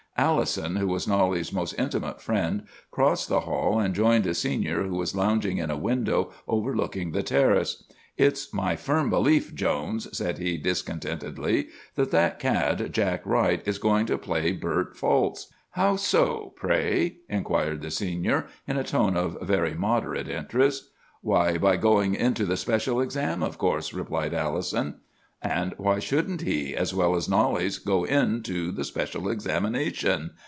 "Allison, who was Knollys's most intimate friend, crossed the hall, and joined a Senior who was lounging in a window overlooking the terrace. "'It's my firm belief, Jones,' said he discontentedly, 'that that cad, Jack Wright, is going to play Bert false!' "'How so, pray?' inquired the Senior, in a tone of very moderate interest. "'Why, by going into the special exam., of course!' replied Allison. "'And why shouldn't he, as well as Knollys, go into the special examination?